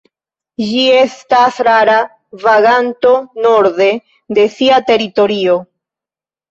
Ĝi estas rara vaganto norde de sia teritorio.